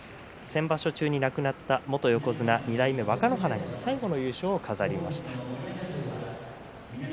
先場所中に亡くなった元横綱２代目若乃花最後の優勝を飾りました。